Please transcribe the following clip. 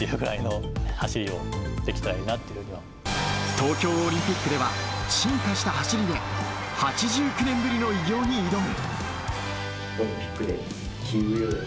東京オリンピックでは進化した走りで８９年ぶりの偉業に挑む。